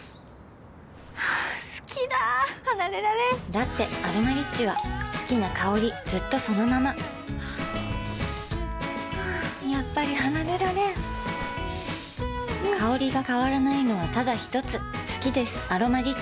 好きだ離れられんだって「アロマリッチ」は好きな香りずっとそのままやっぱり離れられん香りが変わらないのはただひとつ好きです「アロマリッチ」